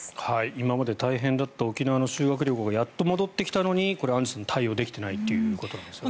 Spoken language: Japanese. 今まで大変だった沖縄の修学旅行がやっと戻ってきたのにアンジュさん対応できていないということなんですね。